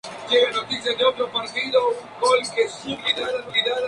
Fue embajador ante Naciones Unidas durante el gobierno de Roberto Urdaneta Arbeláez.